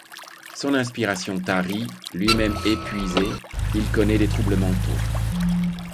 Son inspiration tarie, lui-même épuisé, il connaît des troubles mentaux.